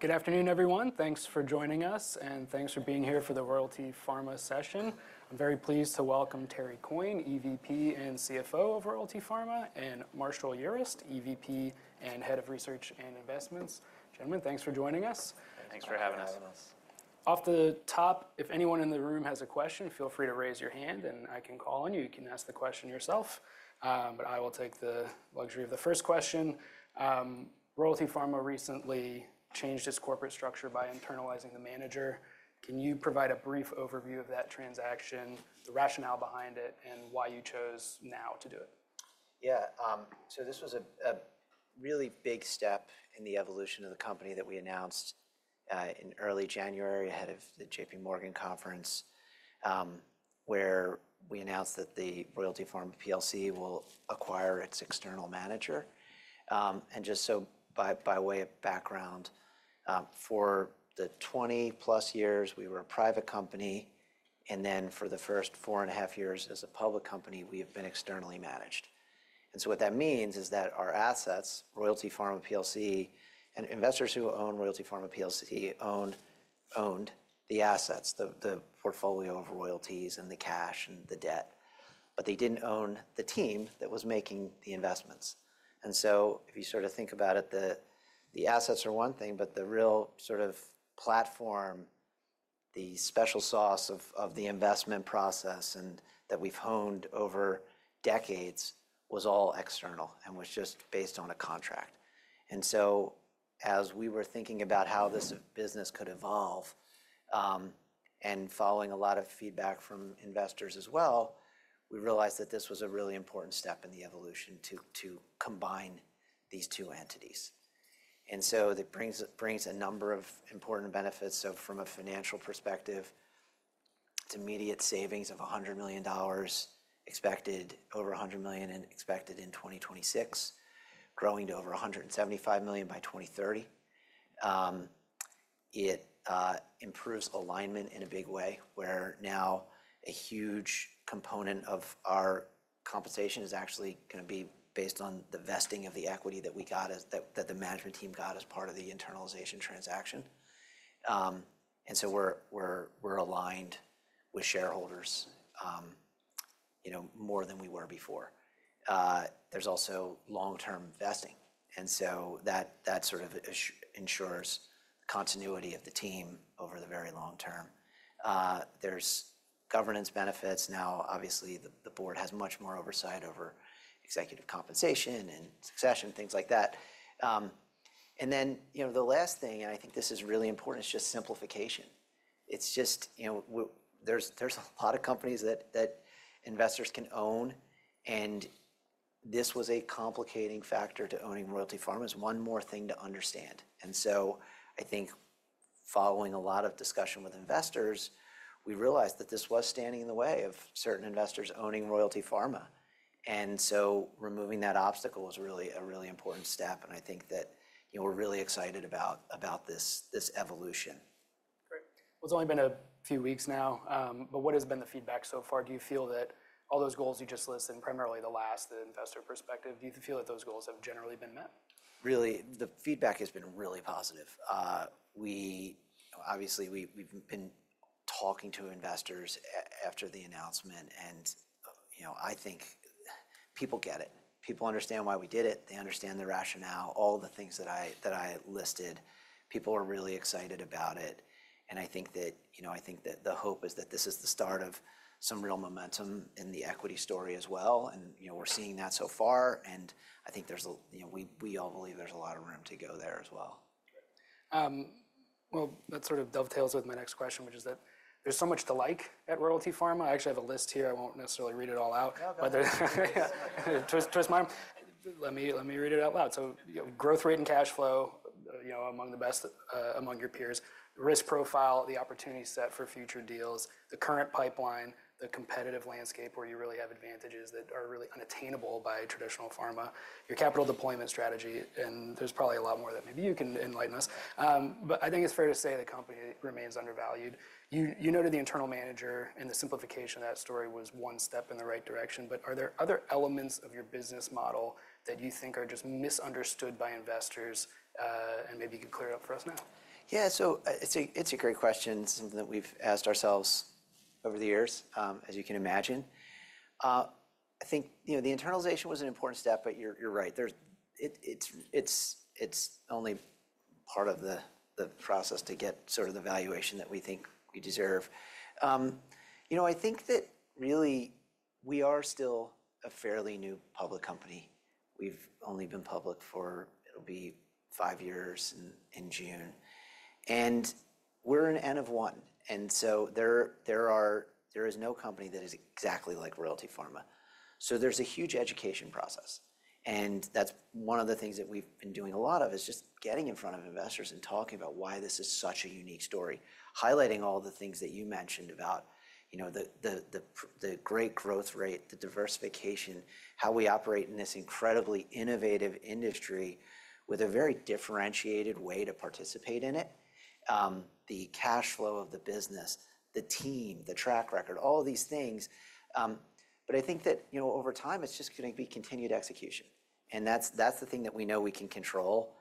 Good afternoon, everyone. Thanks for joining us, and thanks for being here for the Royalty Pharma session. I'm very pleased to welcome Terry Coyne, EVP and CFO of Royalty Pharma, and Marshall Urist, EVP and Head of Research and Investments. Gentlemen, thanks for joining us. Thanks for having us. Off the top, if anyone in the room has a question, feel free to raise your hand, and I can call on you. You can ask the question yourself, but I will take the luxury of the first question. Royalty Pharma recently changed its corporate structure by internalizing the manager. Can you provide a brief overview of that transaction, the rationale behind it, and why you chose now to do it? Yeah, so this was a really big step in the evolution of the company that we announced in early January, ahead of the J.P. Morgan conference, where we announced that the Royalty Pharma PLC will acquire its external manager. And just so by way of background, for the 20-plus years, we were a private company, and then for the first four and a half years as a public company, we have been externally managed. And so what that means is that our assets, Royalty Pharma PLC and investors who owned Royalty Pharma PLC owned the assets, the portfolio of royalties and the cash and the debt, but they didn't own the team that was making the investments. And so if you sort of think about it, the assets are one thing, but the real sort of platform, the special sauce of the investment process that we've honed over decades was all external and was just based on a contract. And so as we were thinking about how this business could evolve, and following a lot of feedback from investors as well, we realized that this was a really important step in the evolution to combine these two entities. And so that brings a number of important benefits. So from a financial perspective, it's immediate savings of $100 million, expected over $100 million and expected in 2026, growing to over $175 million by 2030. It improves alignment in a big way, where now a huge component of our compensation is actually going to be based on the vesting of the equity that the management team got as part of the internalization transaction. And so we're aligned with shareholders more than we were before. There's also long-term vesting, and so that sort of ensures continuity of the team over the very long term. There's governance benefits. Now, obviously, the board has much more oversight over executive compensation and succession, things like that. And then the last thing, and I think this is really important, is just simplification. There's a lot of companies that investors can own, and this was a complicating factor to owning Royalty Pharma. It's one more thing to understand. And so, I think following a lot of discussion with investors, we realized that this was standing in the way of certain investors owning Royalty Pharma. And so, removing that obstacle was really a really important step, and I think that we're really excited about this evolution. Great. Well, it's only been a few weeks now, but what has been the feedback so far? Do you feel that all those goals you just listed, primarily the last, the investor perspective, do you feel that those goals have generally been met? Really, the feedback has been really positive. Obviously, we've been talking to investors after the announcement, and I think people get it. People understand why we did it. They understand the rationale, all the things that I listed. People are really excited about it, and I think that the hope is that this is the start of some real momentum in the equity story as well, and we're seeing that so far, and I think we all believe there's a lot of room to go there as well. That sort of dovetails with my next question, which is that there's so much to like at Royalty Pharma. I actually have a list here. I won't necessarily read it all out. No, go ahead. Let me read it out loud. So growth rate and cash flow among your peers, risk profile, the opportunity set for future deals, the current pipeline, the competitive landscape where you really have advantages that are really unattainable by traditional pharma, your capital deployment strategy, and there's probably a lot more that maybe you can enlighten us. But I think it's fair to say the company remains undervalued. You noted the internal manager, and the simplification of that story was one step in the right direction, but are there other elements of your business model that you think are just misunderstood by investors? And maybe you could clear it up for us now. Yeah, so it's a great question, something that we've asked ourselves over the years, as you can imagine. I think the internalization was an important step, but you're right. It's only part of the process to get sort of the valuation that we think we deserve. I think that really we are still a fairly new public company. We've only been public for, it'll be five years in June, and we're an N of one, and so there is no company that is exactly like Royalty Pharma. There's a huge education process, and that's one of the things that we've been doing a lot of is just getting in front of investors and talking about why this is such a unique story, highlighting all the things that you mentioned about the great growth rate, the diversification, how we operate in this incredibly innovative industry with a very differentiated way to participate in it, the cash flow of the business, the team, the track record, all of these things. I think that over time, it's just going to be continued execution, and that's the thing that we know we can control.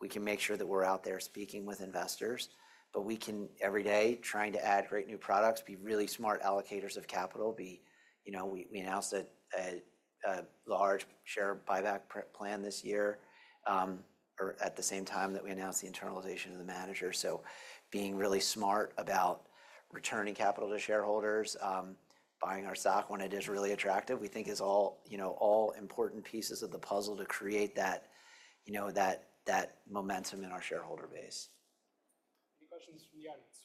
We can make sure that we're out there speaking with investors, but we can, every day, trying to add great new products, be really smart allocators of capital. We announced a large share buyback plan this year at the same time that we announced the internalization of the manager, so being really smart about returning capital to shareholders, buying our stock when it is really attractive, we think is all important pieces of the puzzle to create that momentum in our shareholder base. Any questions from the audience?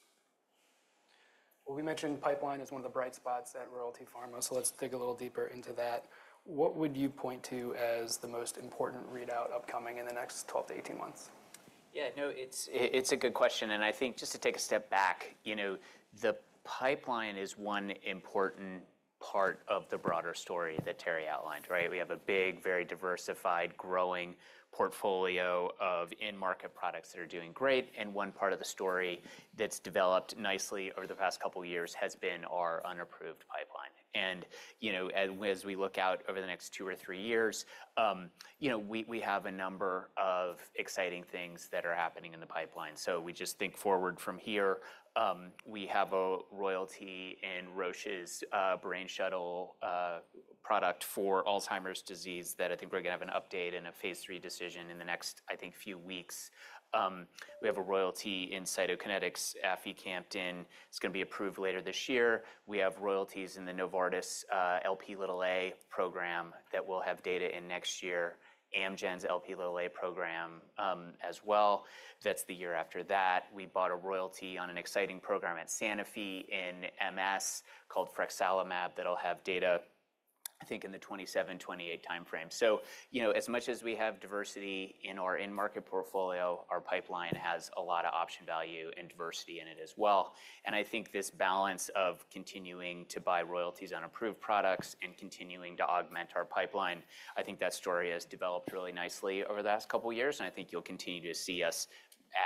Well, we mentioned pipeline is one of the bright spots at Royalty Pharma, so let's dig a little deeper into that. What would you point to as the most important readout upcoming in the next 12 to 18 months? Yeah, no, it's a good question. And I think just to take a step back, the pipeline is one important part of the broader story that Terry outlined, right? We have a big, very diversified, growing portfolio of in-market products that are doing great, and one part of the story that's developed nicely over the past couple of years has been our unapproved pipeline. And as we look out over the next two or three years, we have a number of exciting things that are happening in the pipeline. So we just think forward from here. We have a royalty in Roche's Brain Shuttle product for Alzheimer's disease that I think we're going to have an update and a Phase 3 decision in the next, I think, few weeks. We have a royalty in Cytokinetics, aficamten. It's going to be approved later this year. We have royalties in the Novartis Lp(a) program that will have data in next year, Amgen's Lp(a) program as well. That's the year after that. We bought a royalty on an exciting program at Sanofi in MS called frexalimab that'll have data, I think, in the 2027, 2028 timeframe. So as much as we have diversity in our in-market portfolio, our pipeline has a lot of option value and diversity in it as well. And I think this balance of continuing to buy royalties on approved products and continuing to augment our pipeline, I think that story has developed really nicely over the last couple of years, and I think you'll continue to see us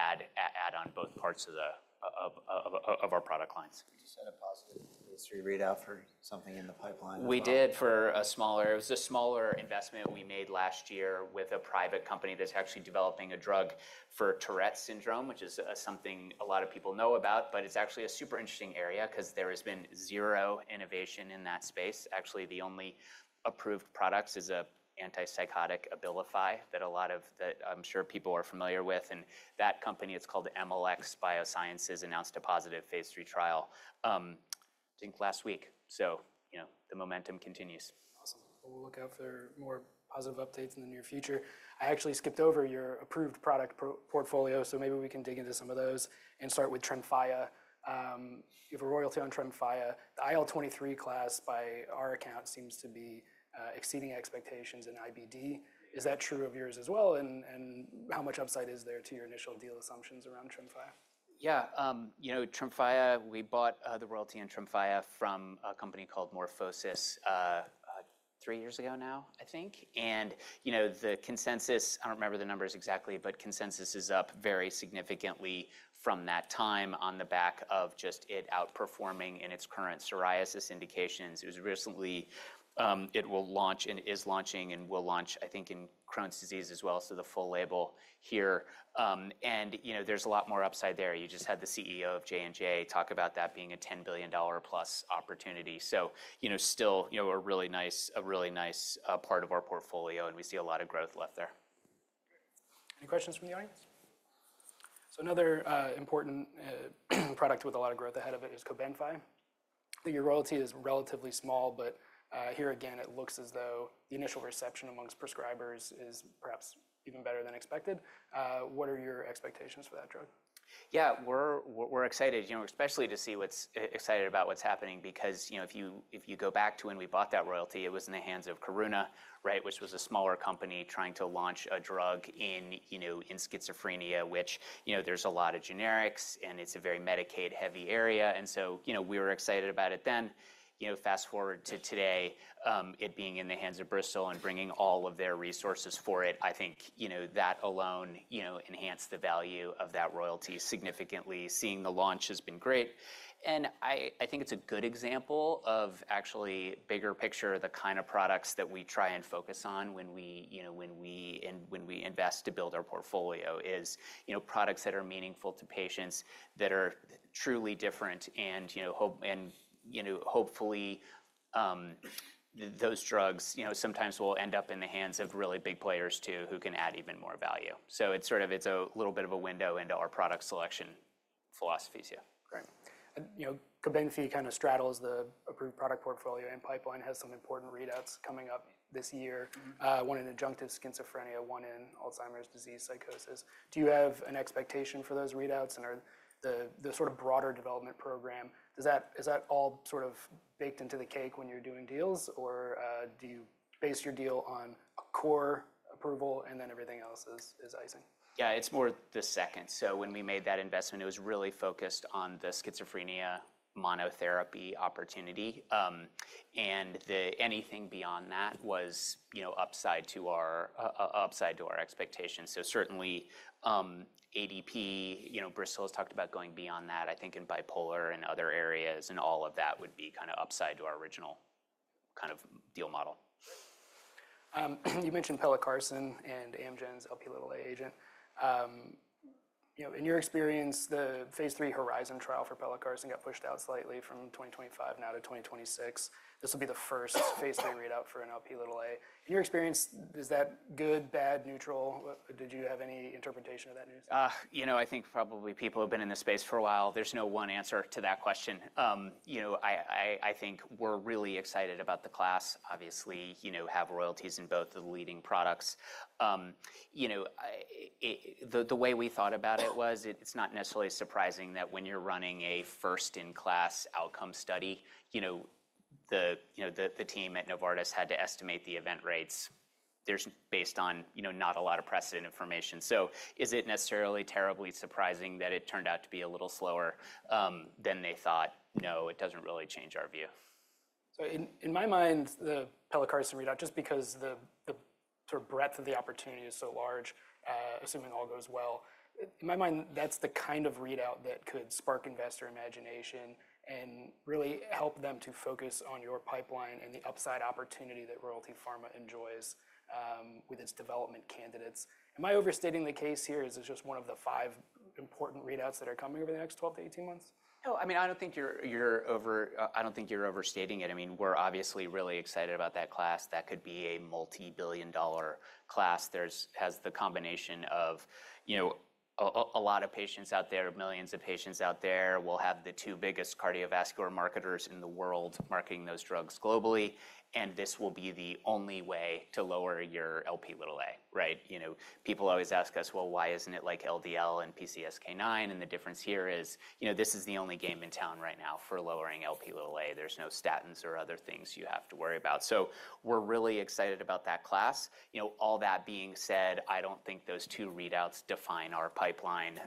add on both parts of our product lines. Did you see the positive topline readout for something in the pipeline? It was a smaller investment we made last year with a private company that's actually developing a drug for Tourette syndrome, which is something a lot of people know about, but it's actually a super interesting area because there has been zero innovation in that space. Actually, the only approved products is an antipsychotic, Abilify, that a lot of people are familiar with. That company, it's called Emalex Biosciences, announced a positive Phase 3 trial, I think, last week. The momentum continues. Awesome. We'll look out for more positive updates in the near future. I actually skipped over your approved product portfolio, so maybe we can dig into some of those and start with Tremfya. You have a royalty on Tremfya. The IL-23 class, by our account, seems to be exceeding expectations in IBD. Is that true of yours as well, and how much upside is there to your initial deal assumptions around Tremfya? Yeah, Tremfya, we bought the royalty on Tremfya from a company called MorphoSys three years ago now, I think. And the consensus, I don't remember the numbers exactly, but consensus is up very significantly from that time on the back of just it outperforming in its current psoriasis indications. It was recently it will launch and is launching and will launch, I think, in Crohn's disease as well, so the full label here. And there's a lot more upside there. You just had the CEO of J&J talk about that being a $10 billion-plus opportunity. So still a really nice part of our portfolio, and we see a lot of growth left there. Any questions from the audience? So another important product with a lot of growth ahead of it is Cobenfy. Your royalty is relatively small, but here again, it looks as though the initial reception among prescribers is perhaps even better than expected. What are your expectations for that drug? Yeah, we're excited, especially to see what's exciting about what's happening because if you go back to when we bought that royalty, it was in the hands of Karuna, which was a smaller company trying to launch a drug in schizophrenia, which there's a lot of generics, and it's a very Medicaid-heavy area. And so we were excited about it then. Fast forward to today, it being in the hands of Bristol and bringing all of their resources for it, I think that alone enhanced the value of that royalty significantly. Seeing the launch has been great. And I think it's a good example of actually a bigger picture, the kind of products that we try and focus on when we invest to build our portfolio is products that are meaningful to patients that are truly different. And hopefully, those drugs sometimes will end up in the hands of really big players too who can add even more value. So it's sort of a little bit of a window into our product selection philosophies, yeah. Great. Cobenfy kind of straddles the approved product portfolio, and pipeline has some important readouts coming up this year, one in adjunctive schizophrenia, one in Alzheimer's disease, psychosis. Do you have an expectation for those readouts? And the sort of broader development program, is that all sort of baked into the cake when you're doing deals, or do you base your deal on a core approval, and then everything else is icing? Yeah, it's more the second. So when we made that investment, it was really focused on the schizophrenia monotherapy opportunity, and anything beyond that was upside to our expectations. So certainly, ADP, Bristol has talked about going beyond that, I think, in bipolar and other areas, and all of that would be kind of upside to our original kind of deal model. You mentioned pelacarsen and Amgen's Lp(a) agent. In your experience, the Phase 3 Horizon trial for pelacarsen got pushed out slightly from 2025 now to 2026. This will be the first Phase 3 readout for an Lp(a). In your experience, is that good, bad, neutral? Did you have any interpretation of that news? I think probably people who have been in this space for a while, there's no one answer to that question. I think we're really excited about the class. Obviously, have royalties in both the leading products. The way we thought about it was it's not necessarily surprising that when you're running a first-in-class outcome study, the team at Novartis had to estimate the event rates based on not a lot of precedent information. So is it necessarily terribly surprising that it turned out to be a little slower than they thought? No, it doesn't really change our view. So in my mind, the pelacarsen readout, just because the sort of breadth of the opportunity is so large, assuming all goes well, in my mind, that's the kind of readout that could spark investor imagination and really help them to focus on your pipeline and the upside opportunity that Royalty Pharma enjoys with its development candidates. Am I overstating the case here? Is this just one of the five important readouts that are coming over the next 12-18 months? Oh, I mean, I don't think you're overstating it. I mean, we're obviously really excited about that class. That could be a multi-billion dollar class. It has the combination of a lot of patients out there, millions of patients out there. We'll have the two biggest cardiovascular marketers in the world marketing those drugs globally, and this will be the only way to lower your Lp(a). People always ask us, well, why isn't it like LDL and PCSK9? And the difference here is this is the only game in town right now for lowering Lp(a). There's no statins or other things you have to worry about. So we're really excited about that class. All that being said, I don't think those two readouts define our pipeline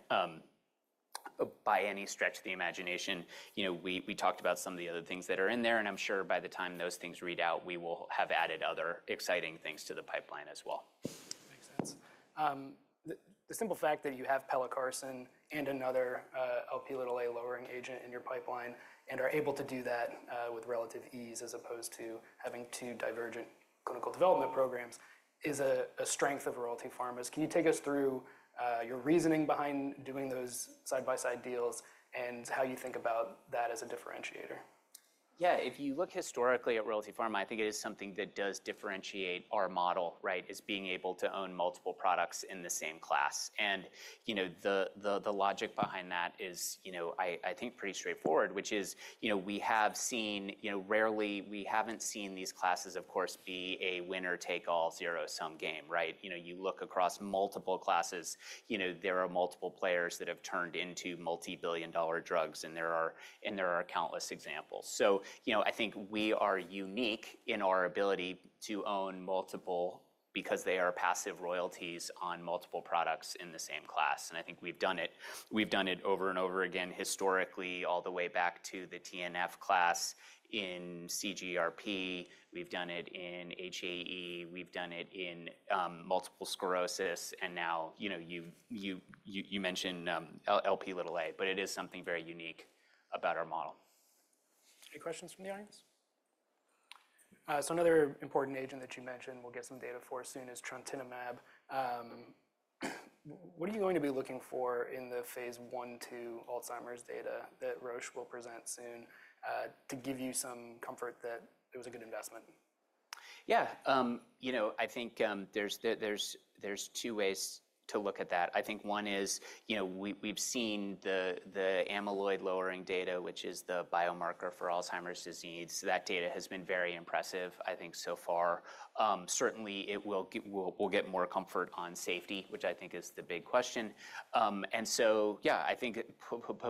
by any stretch of the imagination. We talked about some of the other things that are in there, and I'm sure by the time those things read out, we will have added other exciting things to the pipeline as well. Makes sense. The simple fact that you have pelacarsen and another Lp(a) lowering agent in your pipeline and are able to do that with relative ease as opposed to having two divergent clinical development programs is a strength of Royalty Pharma's. Can you take us through your reasoning behind doing those side-by-side deals and how you think about that as a differentiator? Yeah, if you look historically at Royalty Pharma, I think it is something that does differentiate our model as being able to own multiple products in the same class. And the logic behind that is, I think, pretty straightforward, which is we have seen rarely, we haven't seen these classes, of course, be a winner-take-all zero-sum game. You look across multiple classes, there are multiple players that have turned into multi-billion-dollar drugs, and there are countless examples. So I think we are unique in our ability to own multiple because they are passive royalties on multiple products in the same class. And I think we've done it over and over again historically, all the way back to the TNF class in CGRP. We've done it in HAE. We've done it in multiple sclerosis. And now you mentioned Lp(a), but it is something very unique about our model. Any questions from the audience? So another important agent that you mentioned we'll get some data for soon is Trontinemab. What are you going to be looking for in the Phase 1/2 Alzheimer's data that Roche will present soon to give you some comfort that it was a good investment? Yeah, I think there's two ways to look at that. I think one is we've seen the amyloid-lowering data, which is the biomarker for Alzheimer's disease. That data has been very impressive, I think, so far. Certainly, we'll get more comfort on safety, which I think is the big question. And so, yeah, I think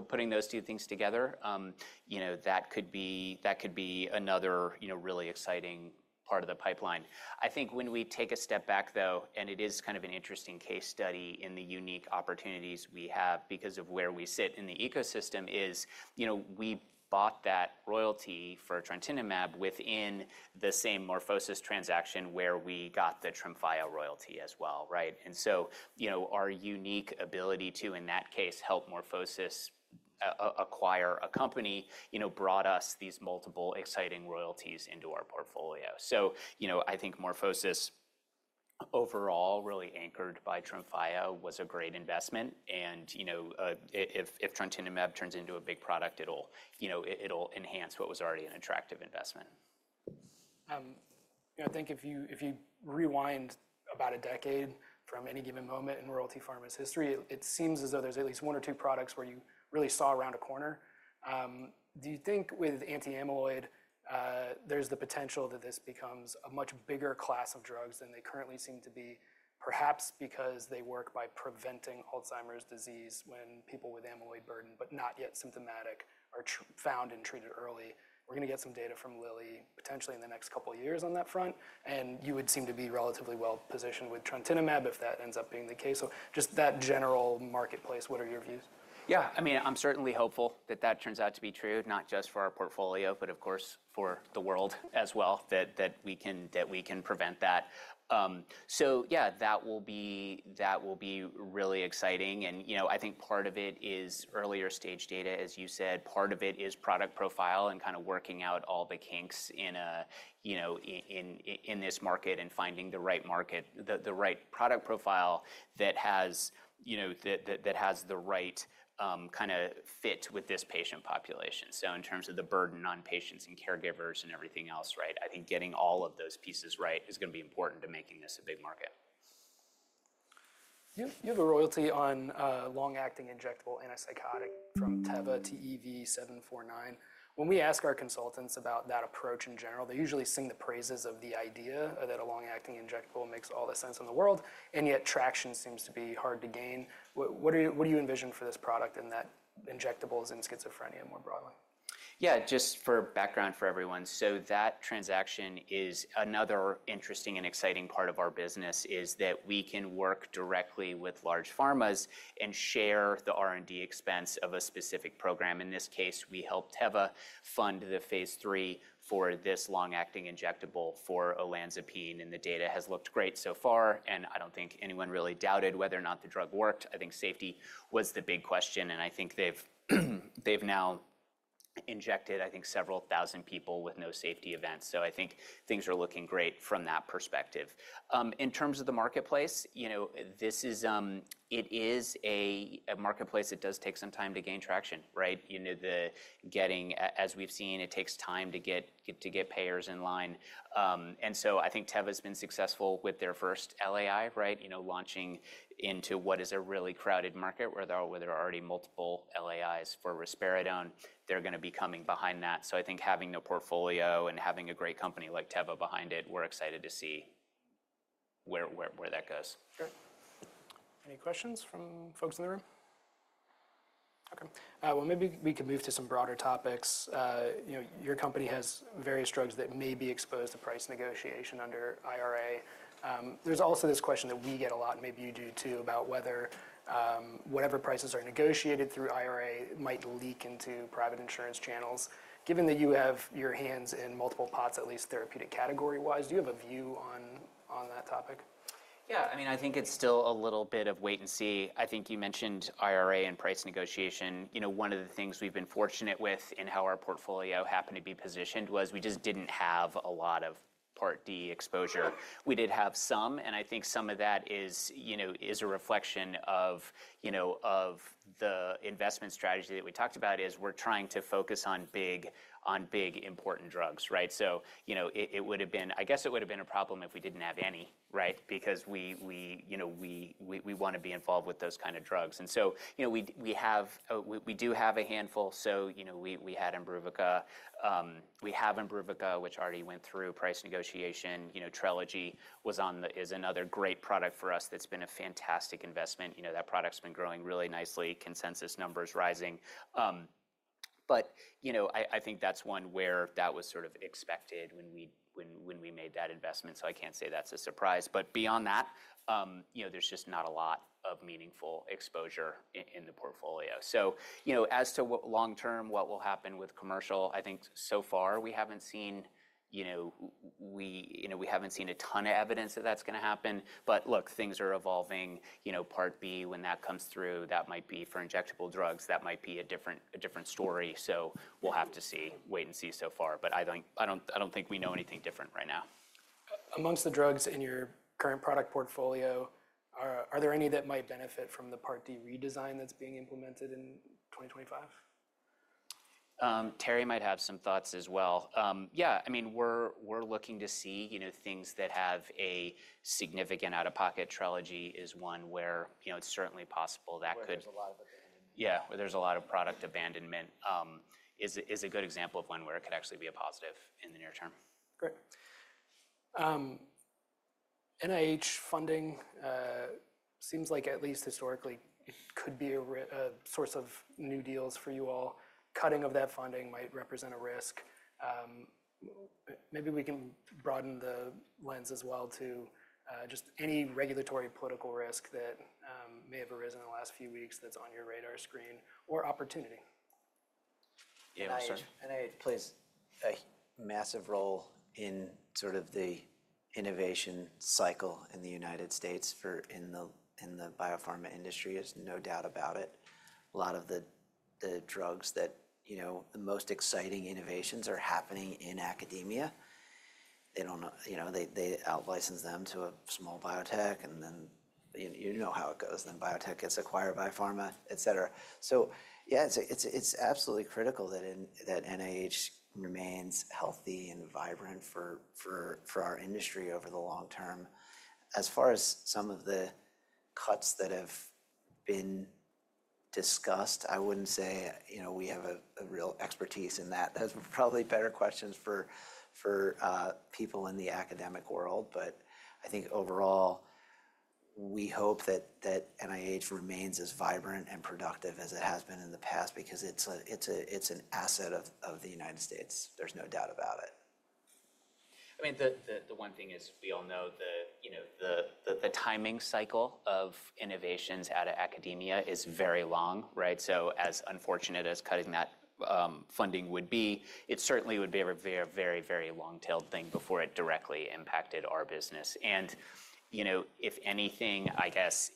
putting those two things together, that could be another really exciting part of the pipeline. I think when we take a step back, though, and it is kind of an interesting case study in the unique opportunities we have because of where we sit in the ecosystem is we bought that royalty for Trontinemab within the same MorphoSys transaction where we got the Tremfya royalty as well. And so our unique ability to, in that case, help MorphoSys acquire a company brought us these multiple exciting royalties into our portfolio. So I think MorphoSys overall, really anchored by Tremfya, was a great investment. And if Trontinemab turns into a big product, it'll enhance what was already an attractive investment. I think if you rewind about a decade from any given moment in Royalty Pharma's history, it seems as though there's at least one or two products where you really saw around a corner. Do you think with anti-amyloid, there's the potential that this becomes a much bigger class of drugs than they currently seem to be, perhaps because they work by preventing Alzheimer's disease when people with amyloid burden, but not yet symptomatic, are found and treated early? We're going to get some data from Lilly potentially in the next couple of years on that front. And you would seem to be relatively well positioned with Trontinemab if that ends up being the case. So just that general marketplace, what are your views? Yeah, I mean, I'm certainly hopeful that that turns out to be true, not just for our portfolio, but of course for the world as well, that we can prevent that. So yeah, that will be really exciting. And I think part of it is earlier stage data, as you said. Part of it is product profile and kind of working out all the kinks in this market and finding the right market, the right product profile that has the right kind of fit with this patient population. So in terms of the burden on patients and caregivers and everything else, I think getting all of those pieces right is going to be important to making this a big market. You have a royalty on long-acting injectable antipsychotic from Teva, TEV-749. When we ask our consultants about that approach in general, they usually sing the praises of the idea that a long-acting injectable makes all the sense in the world, and yet traction seems to be hard to gain. What do you envision for this product and that injectables in schizophrenia more broadly? Yeah, just for background for everyone, so that transaction is another interesting and exciting part of our business, is that we can work directly with large pharmas and share the R&D expense of a specific program. In this case, we helped Teva fund the Phase 3 for this long-acting injectable for olanzapine, and the data has looked great so far, and I don't think anyone really doubted whether or not the drug worked. I think safety was the big question, and I think they've now injected, I think, several thousand people with no safety events, so I think things are looking great from that perspective. In terms of the marketplace, it is a marketplace that does take some time to gain traction. As we've seen, it takes time to get payers in line. And so I think Teva has been successful with their first LAI launching into what is a really crowded market where there are already multiple LAIs for risperidone. They're going to be coming behind that. So I think having the portfolio and having a great company like Teva behind it, we're excited to see where that goes. Any questions from folks in the room? Okay, well, maybe we can move to some broader topics. Your company has various drugs that may be exposed to price negotiation under IRA. There's also this question that we get a lot, and maybe you do too, about whether whatever prices are negotiated through IRA might leak into private insurance channels. Given that you have your hands in multiple pots, at least therapeutic category-wise, do you have a view on that topic? Yeah, I mean, I think it's still a little bit of wait and see. I think you mentioned IRA and price negotiation. One of the things we've been fortunate with in how our portfolio happened to be positioned was we just didn't have a lot of Part D exposure. We did have some, and I think some of that is a reflection of the investment strategy that we talked about is we're trying to focus on big important drugs. So it would have been, I guess it would have been a problem if we didn't have any, because we want to be involved with those kind of drugs, and so we do have a handful, so we had Imbruvica. We have Imbruvica, which already went through price negotiation. Trelegy is another great product for us that's been a fantastic investment. That product's been growing really nicely. Consensus numbers rising. But I think that's one where that was sort of expected when we made that investment. So I can't say that's a surprise. But beyond that, there's just not a lot of meaningful exposure in the portfolio. So as to long term, what will happen with commercial, I think so far we haven't seen a ton of evidence that that's going to happen. But look, things are evolving. Part B, when that comes through, that might be for injectable drugs. That might be a different story. So we'll have to see. Wait and see so far. But I don't think we know anything different right now. Among the drugs in your current product portfolio, are there any that might benefit from the Part D redesign that's being implemented in 2025? Terry might have some thoughts as well. Yeah, I mean, we're looking to see things that have a significant out-of-pocket. Trelegy is one where it's certainly possible that could. Where there's a lot of abandonment. Yeah, where there's a lot of product abandonment is a good example of one where it could actually be a positive in the near term. Great. NIH funding seems like at least historically could be a source of new deals for you all. Cutting of that funding might represent a risk. Maybe we can broaden the lens as well to just any regulatory political risk that may have arisen in the last few weeks that's on your radar screen or opportunity. Yeah, please. Massive role in sort of the innovation cycle in the United States in the biopharma industry is no doubt about it. A lot of the drugs that the most exciting innovations are happening in academia. They out-license them to a small biotech, and then you know how it goes. Then biotech gets acquired by pharma, et cetera, so yeah, it's absolutely critical that NIH remains healthy and vibrant for our industry over the long term. As far as some of the cuts that have been discussed, I wouldn't say we have a real expertise in that. That's probably better questions for people in the academic world, but I think overall, we hope that NIH remains as vibrant and productive as it has been in the past because it's an asset of the United States. There's no doubt about it. I mean. The one thing is we all know the timing cycle of innovations out of academia is very long. So as unfortunate as cutting that funding would be, it certainly would be a very, very long-tailed thing before it directly impacted our business. And if anything, I guess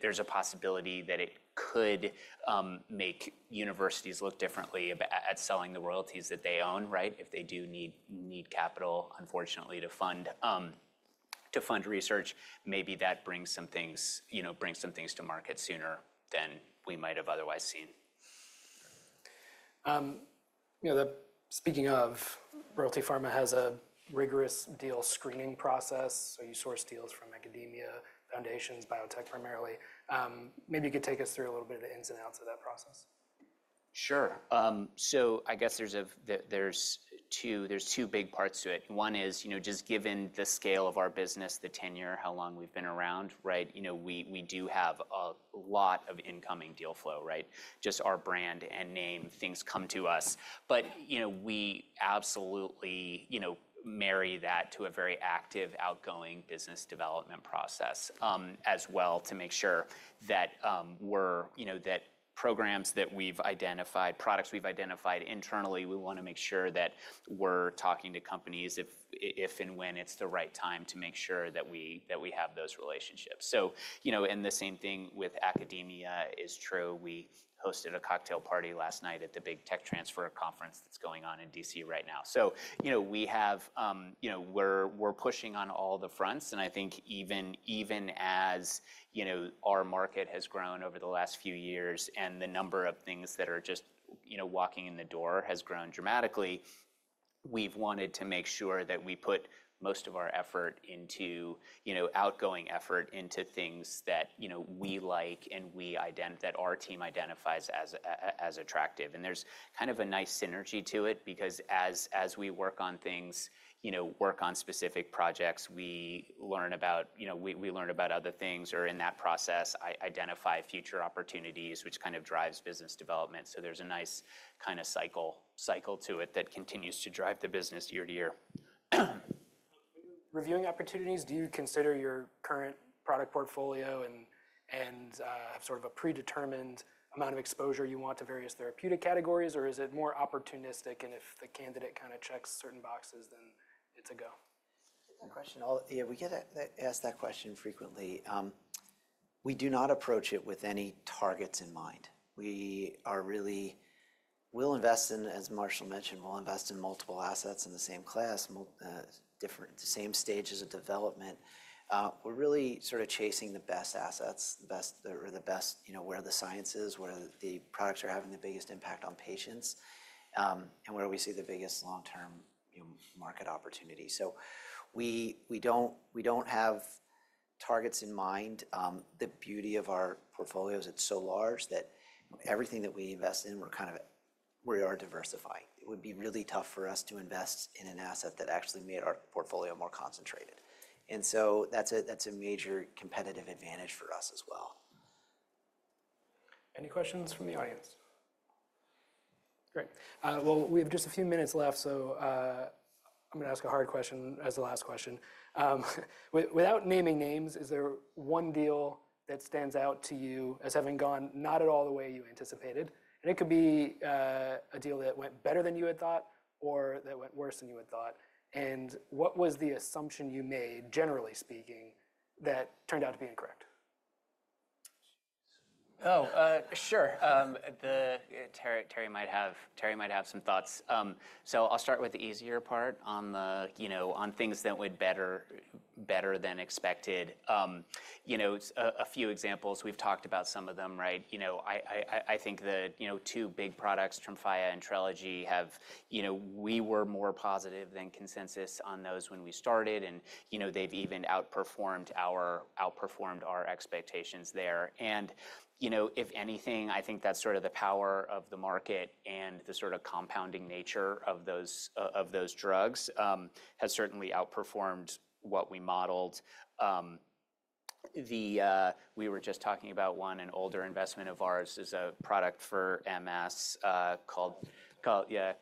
there's a possibility that it could make universities look differently at selling the royalties that they own if they do need capital, unfortunately, to fund research. Maybe that brings some things to market sooner than we might have otherwise seen. Speaking of, Royalty Pharma has a rigorous deal screening process. So you source deals from academia, foundations, biotech primarily. Maybe you could take us through a little bit of the ins and outs of that process. Sure. So I guess there's two big parts to it. One is just given the scale of our business, the tenure, how long we've been around, we do have a lot of incoming deal flow. Just our brand and name, things come to us. But we absolutely marry that to a very active, outgoing business development process as well to make sure that programs that we've identified, products we've identified internally, we want to make sure that we're talking to companies if and when it's the right time to make sure that we have those relationships. So and the same thing with academia is true. We hosted a cocktail party last night at the big tech transfer conference that's going on in DC right now. So we're pushing on all the fronts. I think even as our market has grown over the last few years and the number of things that are just walking in the door has grown dramatically, we've wanted to make sure that we put most of our effort into outgoing effort into things that we like and that our team identifies as attractive. There's kind of a nice synergy to it because as we work on things, work on specific projects, we learn about other things or in that process, identify future opportunities, which kind of drives business development. There's a nice kind of cycle to it that continues to drive the business year-to-year. Reviewing opportunities, do you consider your current product portfolio and sort of a predetermined amount of exposure you want to various therapeutic categories, or is it more opportunistic, and if the candidate kind of checks certain boxes, then it's a go? Good question. We get asked that question frequently. We do not approach it with any targets in mind. We will invest in, as Marshall mentioned, we'll invest in multiple assets in the same class, the same stages of development. We're really sort of chasing the best assets or the best where the science is, where the products are having the biggest impact on patients, and where we see the biggest long-term market opportunity. So we don't have targets in mind. The beauty of our portfolio is it's so large that everything that we invest in, we're kind of diversifying. It would be really tough for us to invest in an asset that actually made our portfolio more concentrated, and so that's a major competitive advantage for us as well. Any questions from the audience? Great. Well, we have just a few minutes left, so I'm going to ask a hard question as the last question. Without naming names, is there one deal that stands out to you as having gone not at all the way you anticipated? And it could be a deal that went better than you had thought or that went worse than you had thought. And what was the assumption you made, generally speaking, that turned out to be incorrect? Oh, sure. Terry might have some thoughts. So I'll start with the easier part on things that went better than expected. A few examples. We've talked about some of them. I think the two big products, Tremfya and Trelegy, we were more positive than consensus on those when we started, and they've even outperformed our expectations there. And if anything, I think that's sort of the power of the market and the sort of compounding nature of those drugs has certainly outperformed what we modeled. We were just talking about one, an older investment of ours is a product for MS called yeah,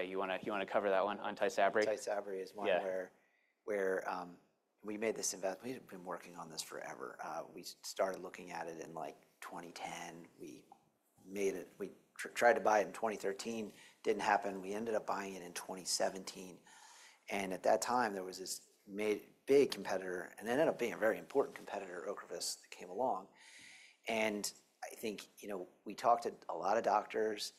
you want to cover that one, Tysabri? Tysabri is one where we made this investment. We've been working on this forever. We started looking at it in like 2010. We tried to buy it in 2013. Didn't happen. We ended up buying it in 2017. And at that time, there was this big competitor, and it ended up being a very important competitor, Ocrevus, that came along. And I think we talked to a lot of doctors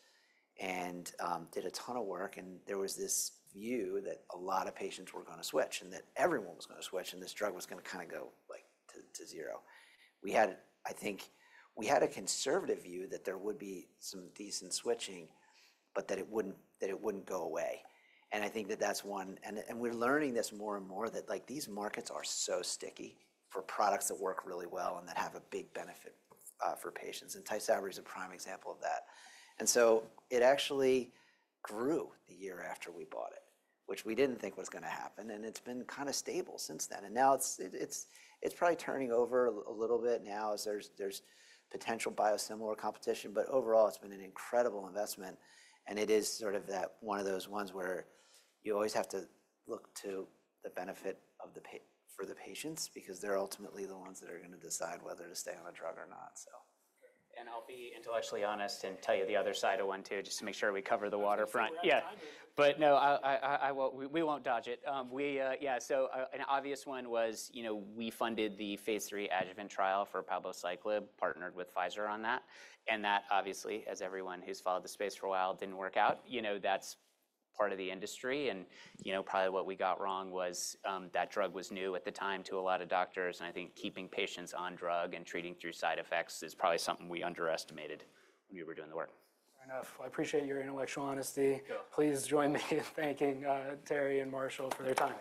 and did a ton of work, and there was this view that a lot of patients were going to switch and that everyone was going to switch and this drug was going to kind of go to zero. I think we had a conservative view that there would be some decent switching, but that it wouldn't go away. And I think that that's one. And we're learning this more and more that these markets are so sticky for products that work really well and that have a big benefit for patients. Tysabri is a prime example of that. And so it actually grew the year after we bought it, which we didn't think was going to happen. And it's been kind of stable since then. And now it's probably turning over a little bit now as there's potential biosimilar competition. But overall, it's been an incredible investment. And it is sort of one of those ones where you always have to look to the benefit for the patients because they're ultimately the ones that are going to decide whether to stay on a drug or not. And I'll be intellectually honest and tell you the other side of one too just to make sure we cover the waterfront. Yeah. But no, we won't dodge it. Yeah. So an obvious one was we funded the Phase 3 adjuvant trial for palbociclib, partnered with Pfizer on that. And that, obviously, as everyone who's followed the space for a while, didn't work out. That's part of the industry. And probably what we got wrong was that drug was new at the time to a lot of doctors. And I think keeping patients on drug and treating through side effects is probably something we underestimated when we were doing the work. Fair enough. I appreciate your intellectual honesty. Please join me in thanking Terry and Marshall for their time.